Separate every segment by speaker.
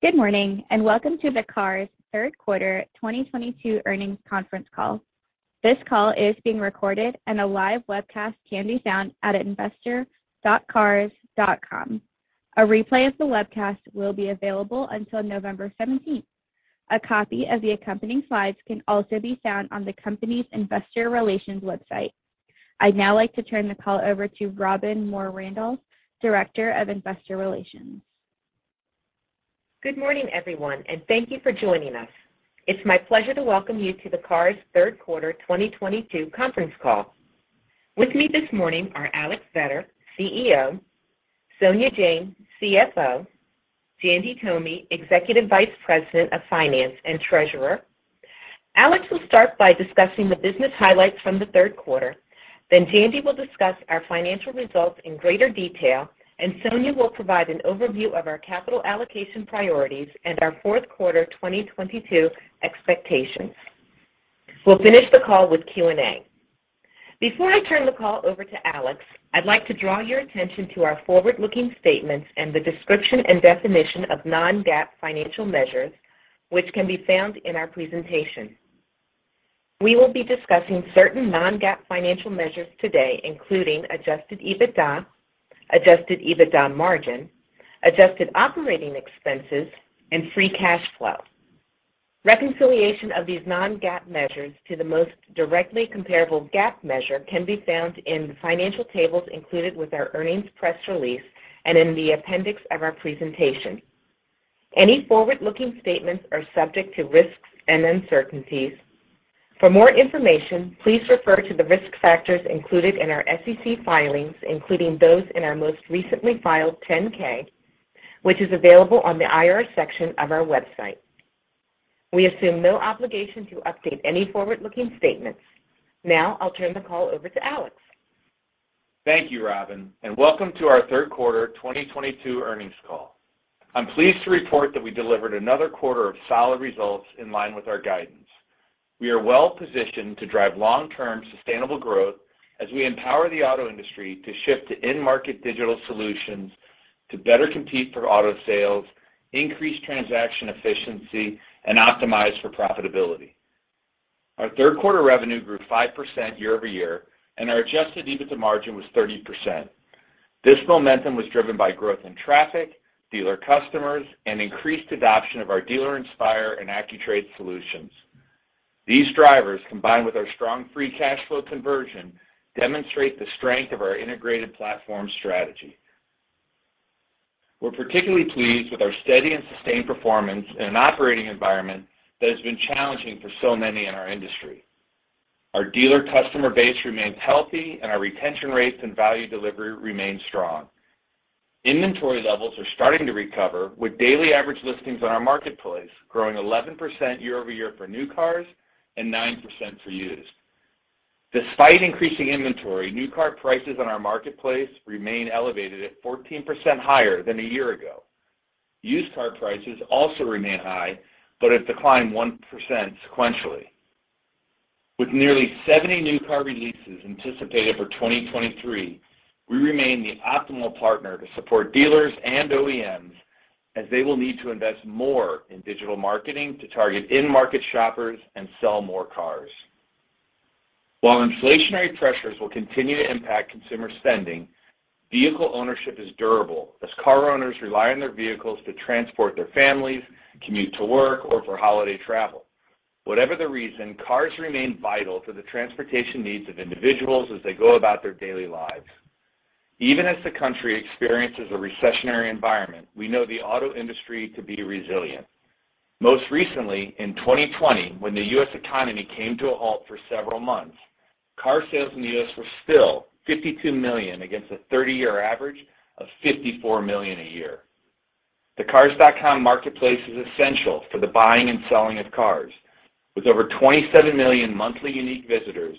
Speaker 1: Good morning, and welcome to the Cars third quarter 2022 earnings conference call. This call is being recorded, and a live webcast can be found at investor.cars.com. A replay of the webcast will be available until November 17. A copy of the accompanying slides can also be found on the company's investor relations website. I'd now like to turn the call over to Robbin Moore-Randolph, Director of Investor Relations.
Speaker 2: Good morning, everyone, and thank you for joining us. It's my pleasure to welcome you to the Cars third quarter 2022 conference call. With me this morning are Alex Vetter, CEO, Sonia Jain, CFO, Jandy Tomy, Executive Vice President of Finance and Treasurer. Alex will start by discussing the business highlights from the third quarter. Then Jandy will discuss our financial results in greater detail, and Sonia will provide an overview of our capital allocation priorities and our fourth quarter 2022 expectations. We'll finish the call with Q&A. Before I turn the call over to Alex, I'd like to draw your attention to our forward-looking statements and the description and definition of non-GAAP financial measures, which can be found in our presentation. We will be discussing certain non-GAAP financial measures today, including Adjusted EBITDA, Adjusted EBITDA margin, adjusted operating expenses, and Free Cash Flow. Reconciliation of these non-GAAP measures to the most directly comparable GAAP measure can be found in the financial tables included with our earnings press release and in the appendix of our presentation. Any forward-looking statements are subject to risks and uncertainties. For more information, please refer to the risk factors included in our SEC filings, including those in our most recently filed 10-K, which is available on the IR section of our website. We assume no obligation to update any forward-looking statements. Now I'll turn the call over to Alex.
Speaker 3: Thank you, Robbin, and welcome to our third quarter 2022 earnings call. I'm pleased to report that we delivered another quarter of solid results in line with our guidance. We are well positioned to drive long-term sustainable growth as we empower the auto industry to shift to in-market digital solutions to better compete for auto sales, increase transaction efficiency, and optimize for profitability. Our third quarter revenue grew 5% year-over-year, and our Adjusted EBITDA margin was 30%. This momentum was driven by growth in traffic, dealer customers, and increased adoption of our Dealer Inspire and Accu-Trade solutions. These drivers, combined with our strong Free Cash Flow conversion, demonstrate the strength of our integrated platform strategy. We're particularly pleased with our steady and sustained performance in an operating environment that has been challenging for so many in our industry. Our dealer customer base remains healthy and our retention rates and value delivery remain strong. Inventory levels are starting to recover with daily average listings on our marketplace growing 11% year-over-year for new cars and 9% for used. Despite increasing inventory, new car prices on our marketplace remain elevated at 14% higher than a year ago. Used car prices also remain high but have declined 1% sequentially. With nearly 70 new car releases anticipated for 2023, we remain the optimal partner to support dealers and OEMs as they will need to invest more in digital marketing to target in-market shoppers and sell more cars. While inflationary pressures will continue to impact consumer spending, vehicle ownership is durable as car owners rely on their vehicles to transport their families, commute to work, or for holiday travel. Whatever the reason, cars remain vital to the transportation needs of individuals as they go about their daily lives. Even as the country experiences a recessionary environment, we know the auto industry to be resilient. Most recently, in 2020, when the U.S. economy came to a halt for several months, car sales in the U.S. were still 52 million against a 30-year average of 54 million a year. The Cars.com marketplace is essential for the buying and selling of cars. With over 27 million monthly unique visitors,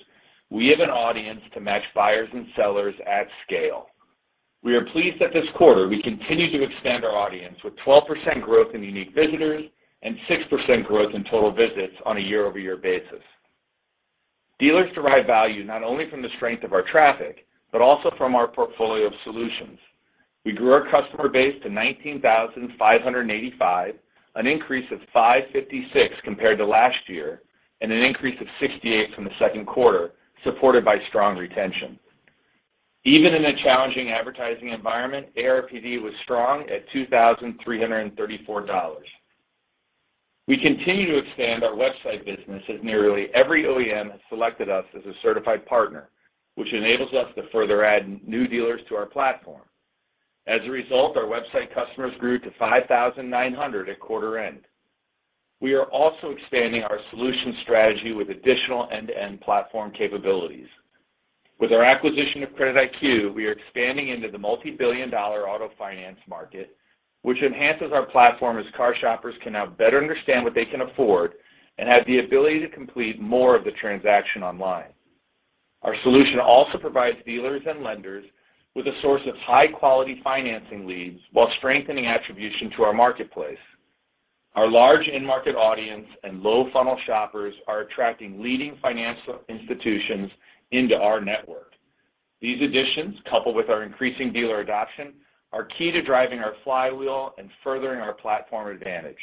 Speaker 3: we have an audience to match buyers and sellers at scale. We are pleased that this quarter we continue to expand our audience with 12% growth in unique visitors and 6% growth in total visits on a year-over-year basis. Dealers derive value not only from the strength of our traffic but also from our portfolio of solutions. We grew our customer base to 19,585, an increase of 556 compared to last year and an increase of 68 from the second quarter, supported by strong retention. Even in a challenging advertising environment, ARPD was strong at $2,034. We continue to expand our website business as nearly every OEM has selected us as a certified partner, which enables us to further add new dealers to our platform. As a result, our website customers grew to 5,900 at quarter end. We are also expanding our solution strategy with additional end-to-end platform capabilities. With our acquisition of CreditIQ, we are expanding into the multi-billion-dollar auto finance market, which enhances our platform as car shoppers can now better understand what they can afford and have the ability to complete more of the transaction online. Our solution also provides dealers and lenders with a source of high-quality financing leads while strengthening attribution to our marketplace. Our large end market audience and low funnel shoppers are attracting leading financial institutions into our network. These additions, coupled with our increasing dealer adoption, are key to driving our flywheel and furthering our platform advantage.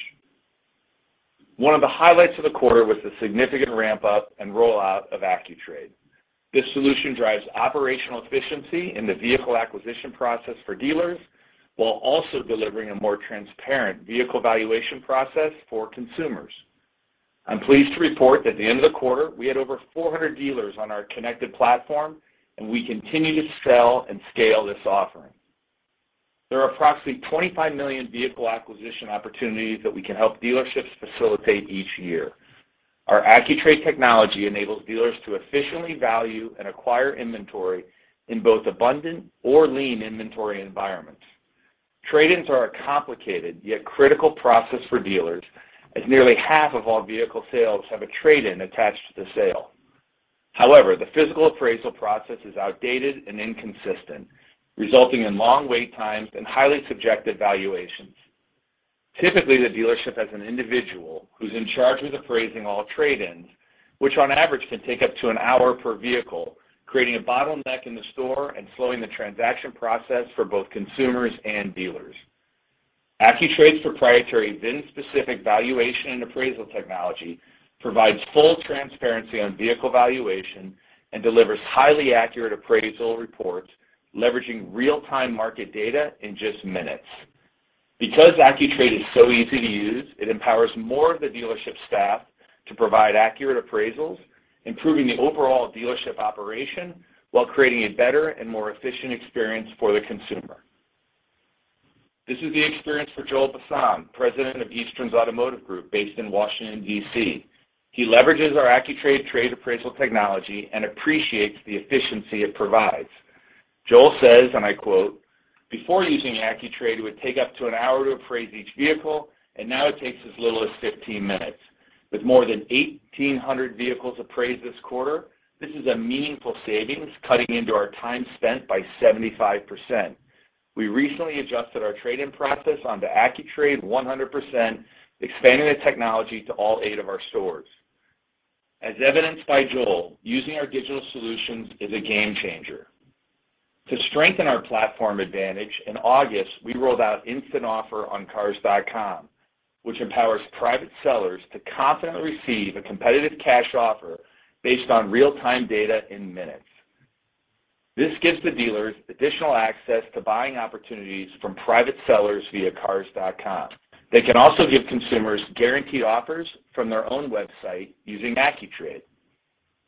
Speaker 3: One of the highlights of the quarter was the significant ramp-up and rollout of Accu-Trade. This solution drives operational efficiency in the vehicle acquisition process for dealers while also delivering a more transparent vehicle valuation process for consumers. I'm pleased to report that at the end of the quarter, we had over 400 dealers on our connected platform, and we continue to sell and scale this offering. There are approximately 25 million vehicle acquisition opportunities that we can help dealerships facilitate each year. Our Accu-Trade technology enables dealers to efficiently value and acquire inventory in both abundant or lean inventory environments. Trade-ins are a complicated yet critical process for dealers, as nearly half of all vehicle sales have a trade-in attached to the sale. However, the physical appraisal process is outdated and inconsistent, resulting in long wait times and highly subjective valuations. Typically, the dealership has an individual who's in charge of appraising all trade-ins, which on average can take up to an hour per vehicle, creating a bottleneck in the store and slowing the transaction process for both consumers and dealers. Accu-Trade's proprietary VIN-specific valuation and appraisal technology provides full transparency on vehicle valuation and delivers highly accurate appraisal reports leveraging real-time market data in just minutes. Because Accu-Trade is so easy to use, it empowers more of the dealership staff to provide accurate appraisals, improving the overall dealership operation while creating a better and more efficient experience for the consumer. This is the experience for Joel Bassam, President of Easterns Automotive Group based in Washington, D.C. He leverages our Accu-Trade trade appraisal technology and appreciates the efficiency it provides. Joel says, and I quote, "Before using Accu-Trade, it would take up to an hour to appraise each vehicle, and now it takes as little as 15 minutes. With more than 1,800 vehicles appraised this quarter, this is a meaningful savings, cutting into our time spent by 75%. We recently adjusted our trade-in process onto Accu-Trade 100%, expanding the technology to all eight of our stores." As evidenced by Joel, using our digital solutions is a game changer. To strengthen our platform advantage, in August, we rolled out Instant Offer on Cars.com, which empowers private sellers to confidently receive a competitive cash offer based on real-time data in minutes. This gives the dealers additional access to buying opportunities from private sellers via Cars.com. They can also give consumers guaranteed offers from their own website using Accu-Trade.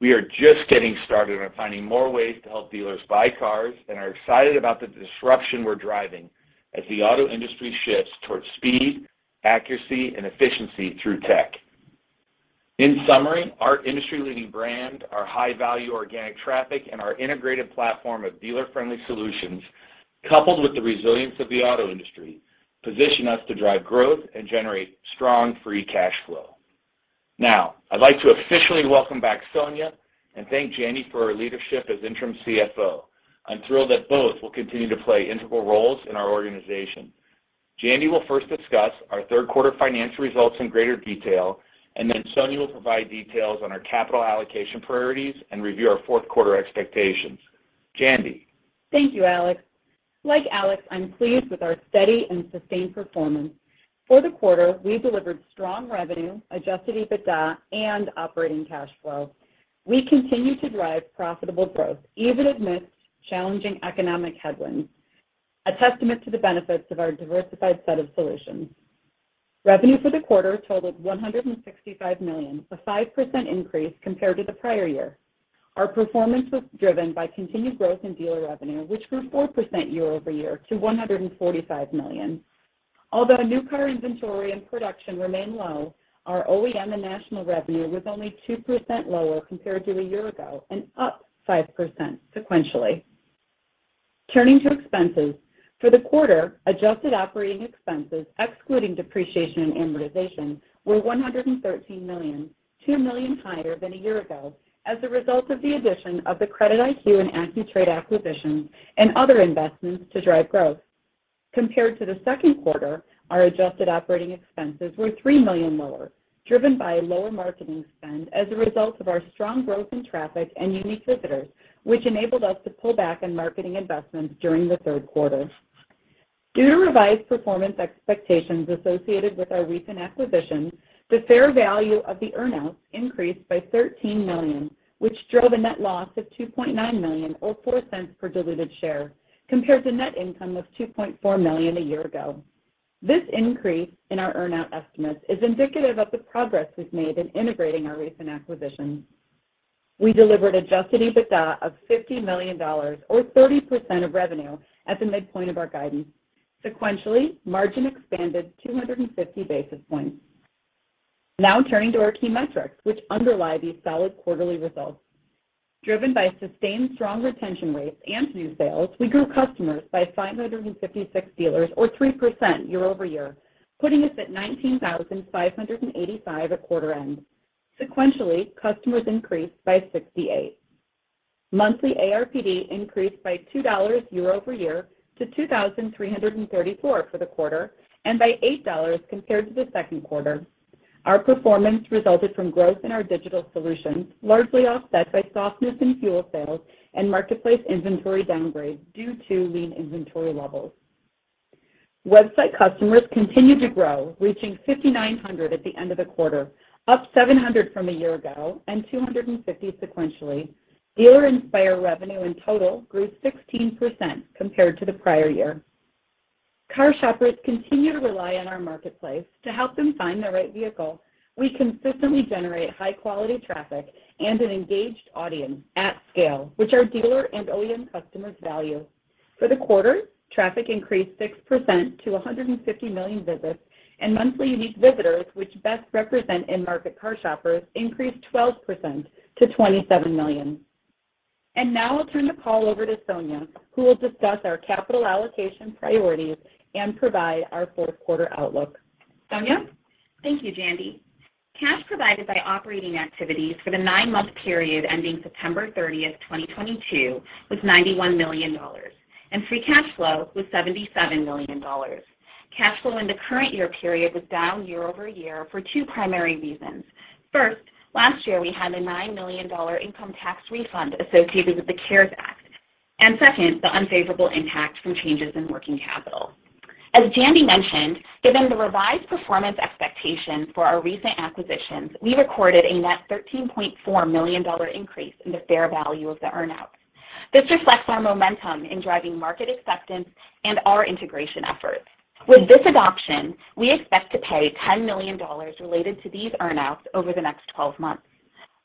Speaker 3: We are just getting started on finding more ways to help dealers buy cars and are excited about the disruption we're driving as the auto industry shifts towards speed, accuracy, and efficiency through tech. In summary, our industry-leading brand, our high-value organic traffic, and our integrated platform of dealer-friendly solutions, coupled with the resilience of the auto industry, position us to drive growth and generate strong Free Cash Flow. Now, I'd like to officially welcome back Sonia and thank Jandy for her leadership as interim CFO. I'm thrilled that both will continue to play integral roles in our organization. Jandy will first discuss our third quarter financial results in greater detail, and then Sonia will provide details on our capital allocation priorities and review our fourth quarter expectations. Jandy?
Speaker 4: Thank you, Alex. Like Alex, I'm pleased with our steady and sustained performance. For the quarter, we delivered strong revenue, Adjusted EBITDA, and operating cash flow. We continue to drive profitable growth, even amidst challenging economic headwinds, a testament to the benefits of our diversified set of solutions. Revenue for the quarter totaled $165 million, a 5% increase compared to the prior year. Our performance was driven by continued growth in dealer revenue, which grew 4% year over year to $145 million. Although new car inventory and production remain low, our OEM and national revenue was only 2% lower compared to a year ago and up 5% sequentially. Turning to expenses. For the quarter, adjusted operating expenses, excluding depreciation and amortization, were $113 million, $2 million higher than a year ago as a result of the addition of the CreditIQ and Accu-Trade acquisitions and other investments to drive growth. Compared to the second quarter, our adjusted operating expenses were $3 million lower, driven by lower marketing spend as a result of our strong growth in traffic and unique visitors, which enabled us to pull back on marketing investments during the third quarter. Due to revised performance expectations associated with our recent acquisitions, the fair value of the earn-outs increased by $13 million, which drove a net loss of $2.9 million or $0.04 per diluted share compared to net income of $2.4 million a year ago. This increase in our earn-out estimates is indicative of the progress we've made in integrating our recent acquisitions. We delivered Adjusted EBITDA of $50 million or 30% of revenue at the midpoint of our guidance. Sequentially, margin expanded 250 basis points. Now turning to our key metrics, which underlie these solid quarterly results. Driven by sustained strong retention rates and new sales, we grew customers by 556 dealers or 3% year-over-year, putting us at 19,585 at quarter end. Sequentially, customers increased by 68. Monthly ARPD increased by $2 year-over-year to $2,034 for the quarter and by $8 compared to the second quarter. Our performance resulted from growth in our digital solutions, largely offset by softness in FUEL sales and marketplace inventory downgrade due to lean inventory levels. Website customers continued to grow, reaching 5,900 at the end of the quarter, up 700 from a year ago and 250 sequentially. Dealer Inspire revenue in total grew 16% compared to the prior year. Car shoppers continue to rely on our marketplace to help them find the right vehicle. We consistently generate high quality traffic and an engaged audience at scale, which our dealer and OEM customers value. For the quarter, traffic increased 6% to 150 million visits and monthly unique visitors, which best represent in-market car shoppers, increased 12% to 27 million. Now I'll turn the call over to Sonia, who will discuss our capital allocation priorities and provide our fourth quarter outlook. Sonia?
Speaker 5: Thank you, Jandy. Cash provided by operating activities for the nine-month period ending September 30, 2022 was $91 million, and Free Cash Flow was $77 million. Cash flow in the current year period was down year-over-year for two primary reasons. First, last year we had a $9 million income tax refund associated with the CARES Act, and second, the unfavorable impact from changes in working capital. As Jandy mentioned, given the revised performance expectation for our recent acquisitions, we recorded a net $13.4 million increase in the fair value of the earn-out. This reflects our momentum in driving market acceptance and our integration efforts. With this adoption, we expect to pay $10 million related to these earn-outs over the next 12 months.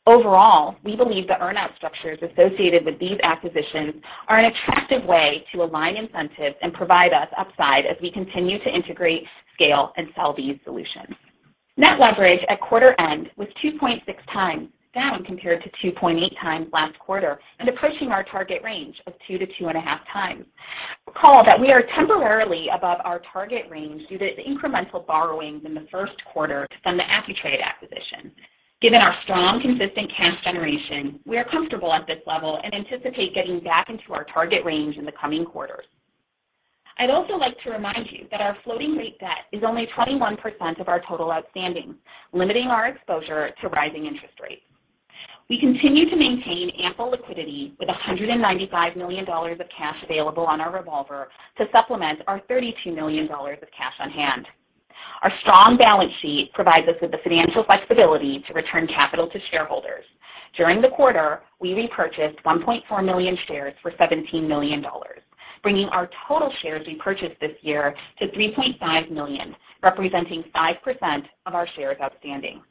Speaker 5: Overall, we believe the earn-out structures associated with these acquisitions are an attractive way to align incentives and provide us upside as we continue to integrate, scale, and sell these solutions. Net leverage at quarter end was 2.6x, down compared to 2.8x last quarter and approaching our target range of 2x-2.5x. Recall that we are temporarily above our target range due to the incremental borrowings in the first quarter to fund the Accu-Trade acquisition. Given our strong, consistent cash generation, we are comfortable at this level and anticipate getting back into our target range in the coming quarters. I'd also like to remind you that our floating rate debt is only 21% of our total outstanding, limiting our exposure to rising interest rates. We continue to maintain ample liquidity with $195 million of cash available on our revolver to supplement our $32 million of cash on hand. Our strong balance sheet provides us with the financial flexibility to return capital to shareholders. During the quarter, we repurchased 1.4 million shares for $17 million, bringing our total shares repurchased this year to 3.5 million, representing 5% of our shares outstanding.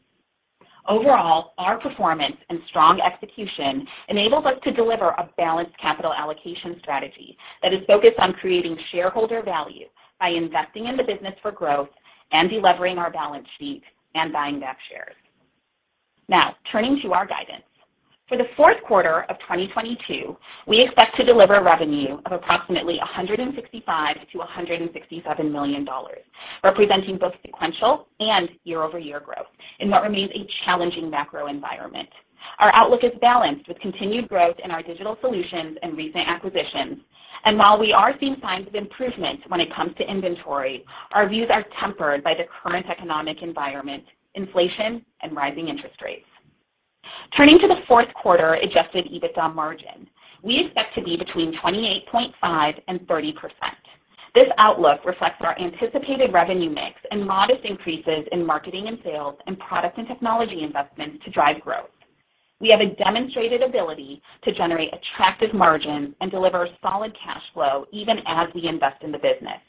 Speaker 5: Overall, our performance and strong execution enables us to deliver a balanced capital allocation strategy that is focused on creating shareholder value by investing in the business for growth and delevering our balance sheet and buying back shares. Now, turning to our guidance. For the fourth quarter of 2022, we expect to deliver revenue of approximately $165 million-$167 million, representing both sequential and year-over-year growth in what remains a challenging macro environment. Our outlook is balanced with continued growth in our digital solutions and recent acquisitions. While we are seeing signs of improvement when it comes to inventory, our views are tempered by the current economic environment, inflation, and rising interest rates. Turning to the fourth quarter Adjusted EBITDA margin, we expect to be between 28.5% and 30%. This outlook reflects our anticipated revenue mix and modest increases in marketing and sales and product and technology investments to drive growth. We have a demonstrated ability to generate attractive margins and deliver solid cash flow even as we invest in the business.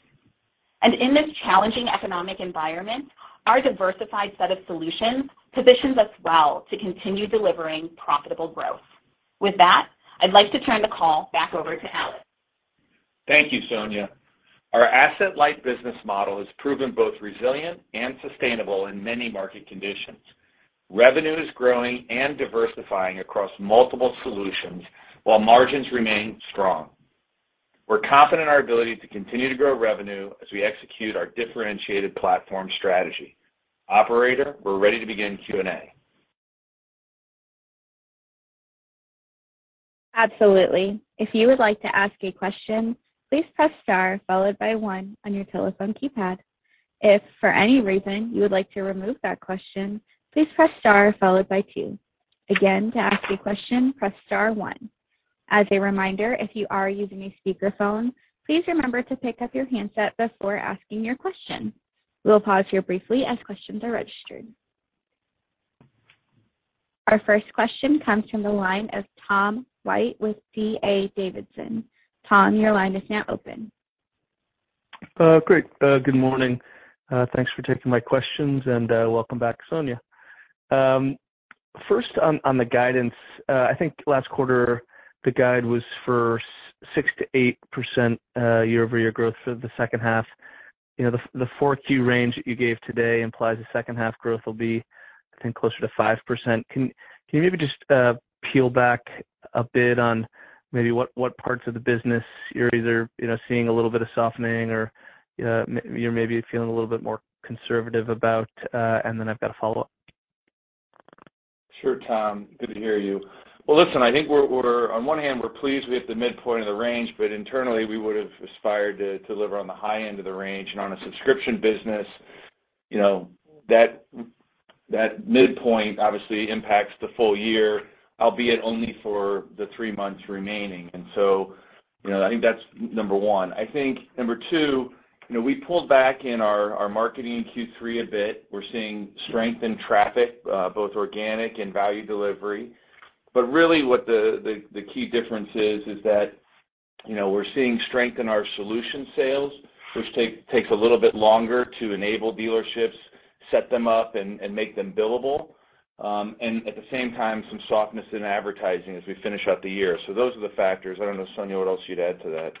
Speaker 5: In this challenging economic environment, our diversified set of solutions positions us well to continue delivering profitable growth. With that, I'd like to turn the call back over to Alex.
Speaker 3: Thank you, Sonia. Our asset-light business model has proven both resilient and sustainable in many market conditions. Revenue is growing and diversifying across multiple solutions while margins remain strong. We're confident in our ability to continue to grow revenue as we execute our differentiated platform strategy. Operator, we're ready to begin Q&A.
Speaker 1: Absolutely. If you would like to ask a question, please press star followed by one on your telephone keypad. If for any reason you would like to remove that question, please press star followed by two. Again, to ask a question, press star one. As a reminder, if you are using a speakerphone, please remember to pick up your handset before asking your question. We'll pause here briefly as questions are registered. Our first question comes from the line of Tom White with D.A. Davidson. Tom, your line is now open.
Speaker 6: Great. Good morning. Thanks for taking my questions and welcome back, Sonia. First on the guidance, I think last quarter the guide was for 6%-8% year-over-year growth for the second half. You know, the Q4 range that you gave today implies the second half growth will be, I think, closer to 5%. Can you maybe just peel back a bit on maybe what parts of the business you're either, you know, seeing a little bit of softening or, you're maybe feeling a little bit more conservative about, and then I've got a follow-up.
Speaker 3: Sure, Tom. Good to hear you. Well, listen, I think we're on one hand, we're pleased we hit the midpoint of the range, but internally, we would've aspired to deliver on the high end of the range. On a subscription business, you know, that midpoint obviously impacts the full year, albeit only for the three months remaining. You know, I think that's number one. I think number two, you know, we pulled back in our marketing in Q3 a bit. We're seeing strength in traffic, both organic and value delivery. But really what the key difference is that, you know, we're seeing strength in our solution sales, which takes a little bit longer to enable dealerships, set them up and make them billable. At the same time, some softness in advertising as we finish out the year. Those are the factors. I don't know, Sonia, what else you'd add to that.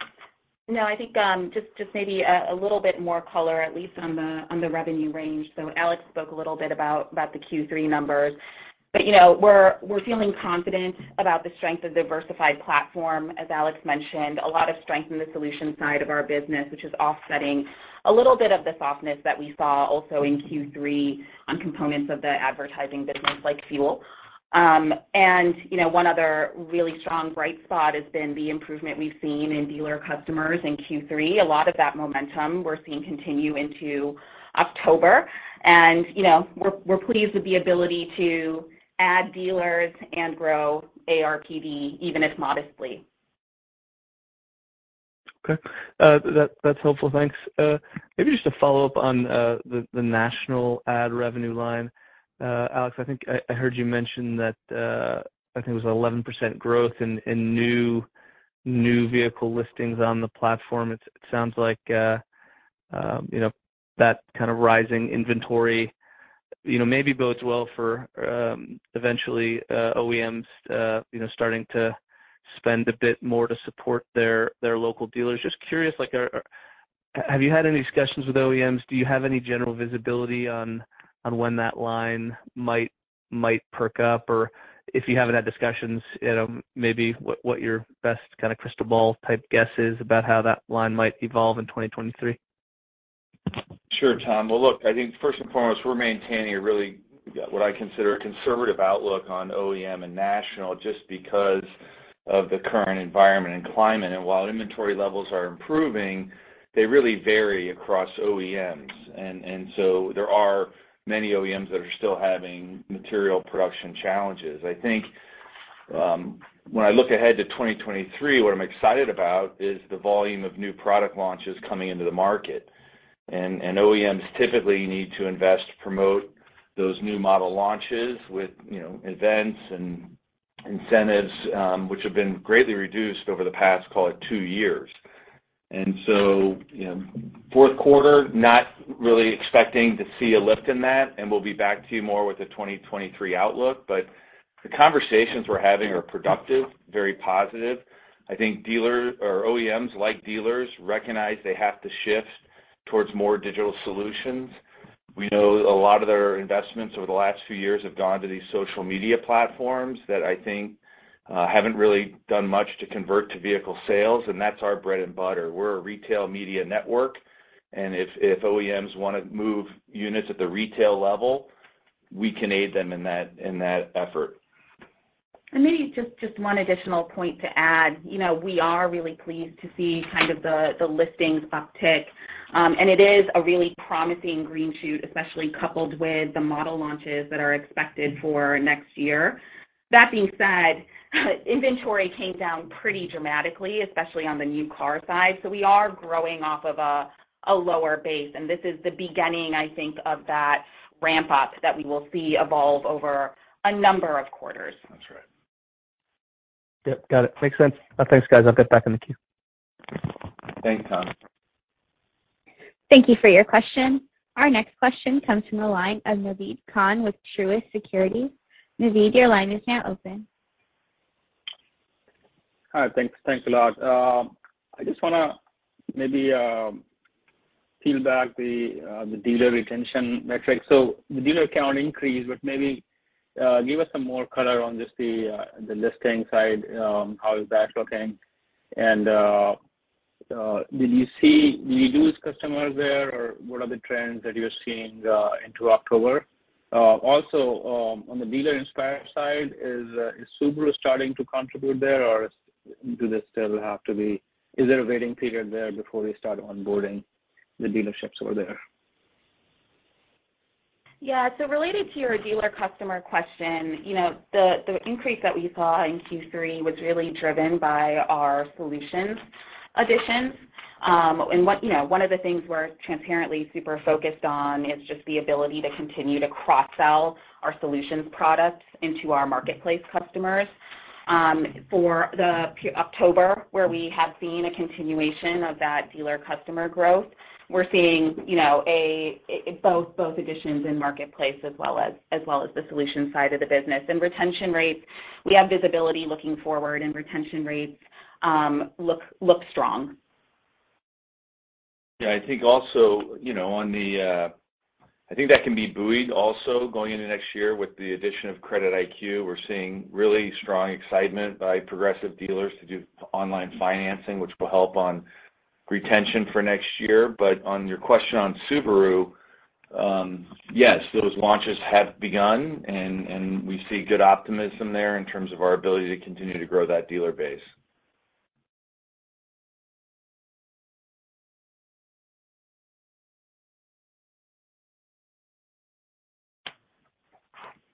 Speaker 5: No, I think just maybe a little bit more color at least on the revenue range. Alex spoke a little bit about the Q3 numbers, but you know, we're feeling confident about the strength of diversified platform, as Alex mentioned. A lot of strength in the solution side of our business, which is offsetting a little bit of the softness that we saw also in Q3 on components of the advertising business like FUEL. You know, one other really strong bright spot has been the improvement we've seen in dealer customers in Q3. A lot of that momentum we're seeing continue into October. You know, we're pleased with the ability to add dealers and grow ARPD, even if modestly.
Speaker 6: Okay. That's helpful. Thanks. Maybe just to follow up on the national ad revenue line. Alex, I think I heard you mention that I think it was 11% growth in new vehicle listings on the platform. It sounds like you know that kind of rising inventory you know maybe bodes well for eventually OEMs you know starting to spend a bit more to support their local dealers. Just curious, like have you had any discussions with OEMs? Do you have any general visibility on when that line might perk up? Or if you haven't had discussions, you know, maybe what your best kind of crystal ball type guess is about how that line might evolve in 2023?
Speaker 3: Sure, Tom. Well, look, I think first and foremost, we're maintaining a really, what I consider a conservative outlook on OEM and national just because of the current environment and climate. While inventory levels are improving, they really vary across OEMs. There are many OEMs that are still having material production challenges. I think, when I look ahead to 2023, what I'm excited about is the volume of new product launches coming into the market. OEMs typically need to invest to promote those new model launches with, you know, events and incentives, which have been greatly reduced over the past, call it two years. You know, fourth quarter not really expecting to see a lift in that, and we'll be back to you more with the 2023 outlook. The conversations we're having are productive, very positive. I think dealers or OEMs, like dealers, recognize they have to shift towards more digital solutions. We know a lot of their investments over the last few years have gone to these social media platforms that I think, haven't really done much to convert to vehicle sales, and that's our bread and butter. We're a retail media network, and if OEMs wanna move units at the retail level, we can aid them in that effort.
Speaker 5: Maybe just one additional point to add. You know, we are really pleased to see kind of the listings uptick. It is a really promising green shoot, especially coupled with the model launches that are expected for next year. That being said, inventory came down pretty dramatically, especially on the new car side. We are growing off of a lower base, and this is the beginning, I think, of that ramp up that we will see evolve over a number of quarters.
Speaker 3: That's right.
Speaker 6: Yep. Got it. Makes sense. Thanks, guys. I'll get back in the queue.
Speaker 3: Thanks, Tom.
Speaker 1: Thank you for your question. Our next question comes from the line of Naved Khan with Truist Securities. Naved, your line is now open.
Speaker 7: Hi. Thanks. Thanks a lot. I just wanna maybe peel back the dealer retention metric. The dealer count increased, but maybe give us some more color on just the listing side. How is that looking? Did you see reduced customers there, or what are the trends that you're seeing into October? Also, on the Dealer Inspire side, is Subaru starting to contribute there or do they still have to be? Is there a waiting period there before they start onboarding the dealerships over there?
Speaker 5: Yeah. Related to your dealer customer question, you know, the increase that we saw in Q3 was really driven by our solutions additions. What, you know, one of the things we're transparently super focused on is just the ability to continue to cross-sell our solutions products into our marketplace customers. For October, where we have seen a continuation of that dealer customer growth, we're seeing, you know, both additions in marketplace as well as the solution side of the business. Retention rates, we have visibility looking forward, and retention rates look strong.
Speaker 3: Yeah. I think also, you know, on the, I think that can be buoyed also going into next year with the addition of CreditIQ. We're seeing really strong excitement by progressive dealers to do online financing, which will help on retention for next year. But on your question on Subaru, yes, those launches have begun and we see good optimism there in terms of our ability to continue to grow that dealer base.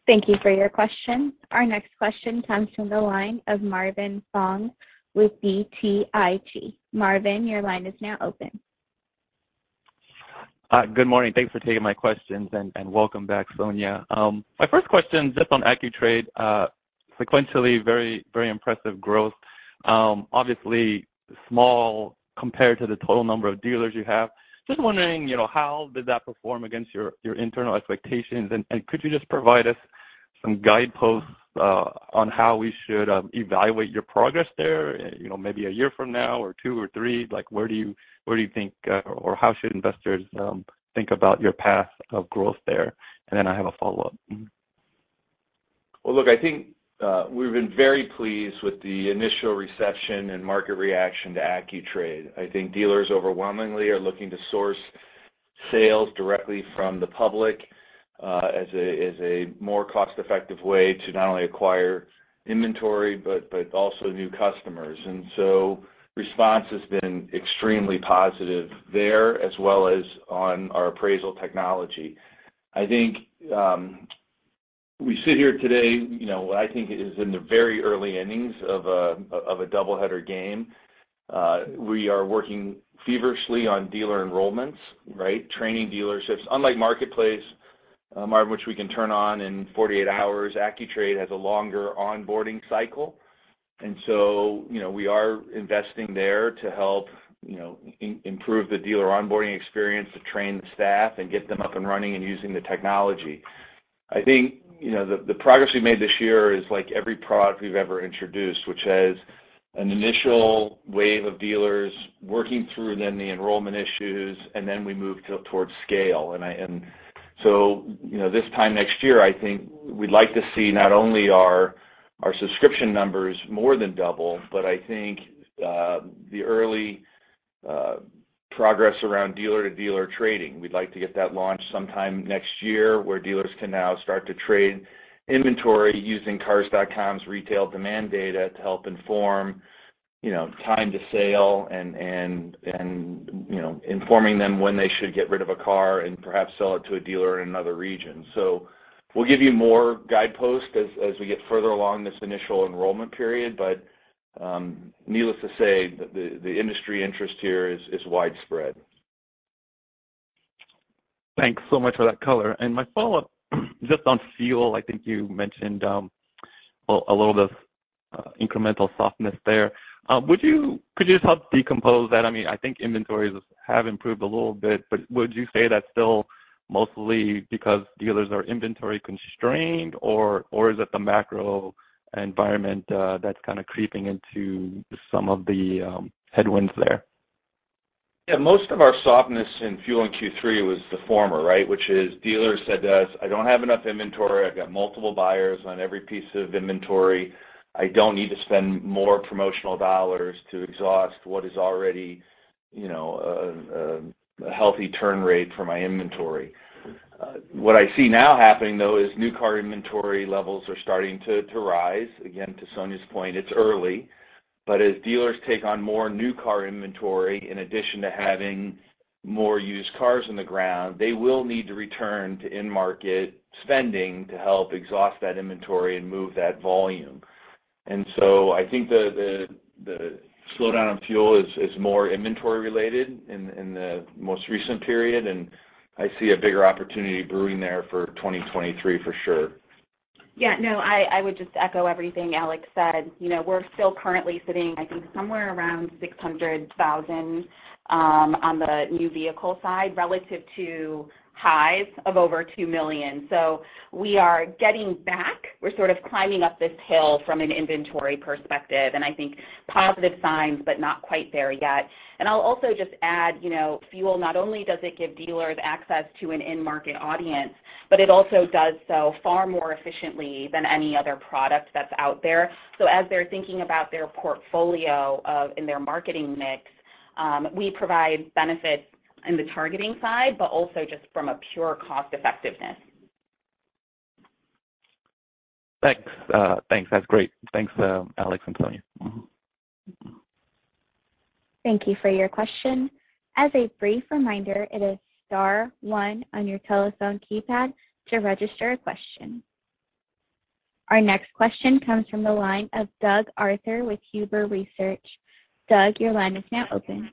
Speaker 1: Thank you for your question. Our next question comes from the line of Marvin Fong with BTIG. Marvin, your line is now open.
Speaker 8: Good morning. Thanks for taking my questions and welcome back, Sonia. My first question just on Accu-Trade, sequentially very impressive growth. Obviously small compared to the total number of dealers you have. Just wondering, you know, how did that perform against your internal expectations? Could you just provide us some guideposts on how we should evaluate your progress there, you know, maybe a year from now or two or three? Where do you think or how should investors think about your path of growth there? Then I have a follow-up.
Speaker 3: Well, look, I think we've been very pleased with the initial reception and market reaction to Accu-Trade. I think dealers overwhelmingly are looking to source sales directly from the public as a more cost-effective way to not only acquire inventory, but also new customers. Response has been extremely positive there as well as on our appraisal technology. I think we sit here today, you know, what I think is in the very early innings of a doubleheader game. We are working feverishly on dealer enrollments, right? Training dealerships. Unlike Marketplace, Marv, which we can turn on in 48 hours, Accu-Trade has a longer onboarding cycle. We are investing there to help, you know, improve the dealer onboarding experience, to train the staff and get them up and running and using the technology. I think, you know, the progress we made this year is like every product we've ever introduced, which has an initial wave of dealers working through, then the enrollment issues, and then we move towards scale. You know, this time next year, I think we'd like to see not only our subscription numbers more than double, but I think the early progress around dealer-to-dealer trading. We'd like to get that launched sometime next year, where dealers can now start to trade inventory using Cars.com's retail demand data to help inform, you know, time to sale and informing them when they should get rid of a car and perhaps sell it to a dealer in another region. We'll give you more guideposts as we get further along this initial enrollment period. Needless to say, the industry interest here is widespread.
Speaker 8: Thanks so much for that color. My follow-up, just on FUEL, I think you mentioned a little bit of incremental softness there. Could you just help decompose that? I mean, I think inventories have improved a little bit, but would you say that's still mostly because dealers are inventory constrained or is it the macro environment that's kind of creeping into some of the headwinds there?
Speaker 3: Yeah. Most of our softness in FUEL in Q3 was the former, right? Which is dealers said to us, "I don't have enough inventory. I've got multiple buyers on every piece of inventory. I don't need to spend more promotional dollars to exhaust what is already, you know, a healthy turn rate for my inventory." What I see now happening, though, is new car inventory levels are starting to rise. Again, to Sonia's point, it's early. As dealers take on more new car inventory, in addition to having more used cars in the ground, they will need to return to in-market spending to help exhaust that inventory and move that volume. I think the slowdown in FUEL is more inventory related in the most recent period, and I see a bigger opportunity brewing there for 2023, for sure.
Speaker 5: Yeah, no, I would just echo everything Alex said. You know, we're still currently sitting, I think, somewhere around 600,000 on the new vehicle side relative to highs of over 2 million. We are getting back. We're sort of climbing up this hill from an inventory perspective, and I think positive signs, but not quite there yet. I'll also just add, you know, FUEL, not only does it give dealers access to an in-market audience, but it also does so far more efficiently than any other product that's out there. As they're thinking about their portfolio in their marketing mix, we provide benefits in the targeting side, but also just from a pure cost effectiveness.
Speaker 8: Thanks. Thanks. That's great. Thanks, Alex and Sonia.
Speaker 1: Thank you for your question. As a brief reminder, it is star one on your telephone keypad to register a question. Our next question comes from the line of Doug Arthur with Huber Research. Doug, your line is now open.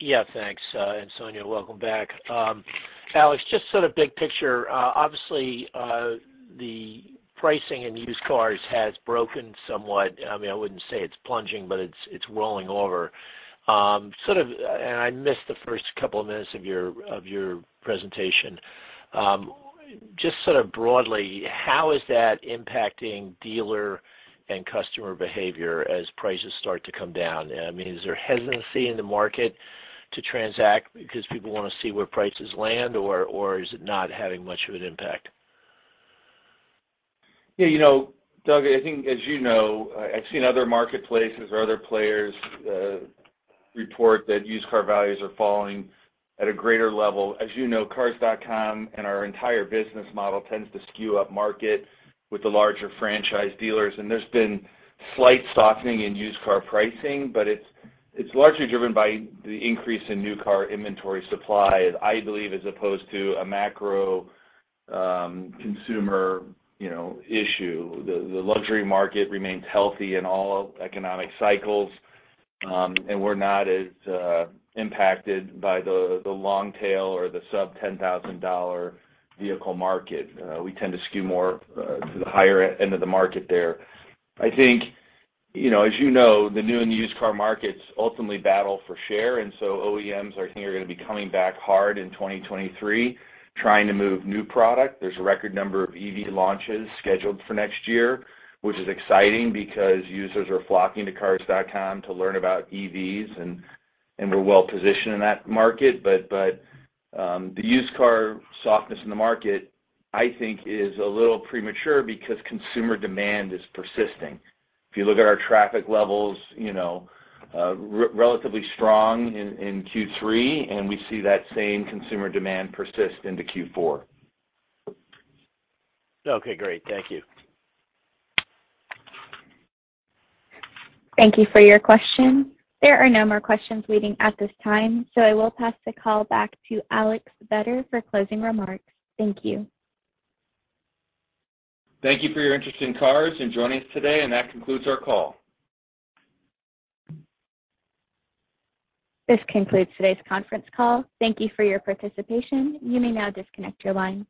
Speaker 9: Yeah, thanks. Sonia, welcome back. Alex, just sort of big picture, obviously, the pricing in used cars has broken somewhat. I mean, I wouldn't say it's plunging, but it's rolling over. Sort of, I missed the first couple of minutes of your presentation. Just sort of broadly, how is that impacting dealer and customer behavior as prices start to come down? I mean, is there hesitancy in the market to transact because people want to see where prices land, or is it not having much of an impact?
Speaker 3: Yeah. You know, Doug, I think as you know, I've seen other marketplaces or other players report that used car values are falling at a greater level. As you know, Cars.com and our entire business model tends to skew upmarket with the larger franchise dealers. There's been slight softening in used car pricing, but it's largely driven by the increase in new car inventory supply, I believe, as opposed to a macro consumer you know issue. The luxury market remains healthy in all economic cycles, and we're not as impacted by the long tail or the sub-$10,000 vehicle market. We tend to skew more to the higher end of the market there. I think, you know, as you know, the new and used car markets ultimately battle for share, and so OEMs, I think, are gonna be coming back hard in 2023, trying to move new product. There's a record number of EV launches scheduled for next year, which is exciting because users are flocking to Cars.com to learn about EVs and we're well positioned in that market. The used car softness in the market, I think, is a little premature because consumer demand is persisting. If you look at our traffic levels, you know, relatively strong in Q3, and we see that same consumer demand persist into Q4.
Speaker 9: Okay. Great. Thank you.
Speaker 1: Thank you for your question. There are no more questions waiting at this time, so I will pass the call back to Alex Vetter for closing remarks. Thank you.
Speaker 3: Thank you for your interest in Cars.com and joining us today, and that concludes our call.
Speaker 1: This concludes today's conference call. Thank you for your participation. You may now disconnect your line.